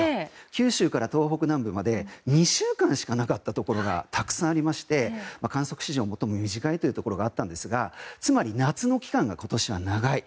九州から東北南部まで２週間ほどなかったところがたくさんありまして観測史上最も短いところがあったんですがつまり夏の期間が今年は長い。